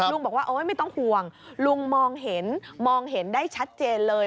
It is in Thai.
บอกว่าโอ๊ยไม่ต้องห่วงลุงมองเห็นมองเห็นได้ชัดเจนเลย